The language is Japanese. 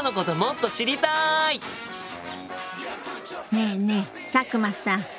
ねえねえ佐久間さん。